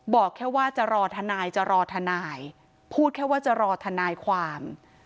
บอกแค่ว่าจะรอทนายจะรอทนายพูดแค่ว่าจะรอทนายความ